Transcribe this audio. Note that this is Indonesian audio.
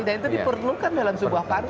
dan itu diperlukan dalam sebuah partai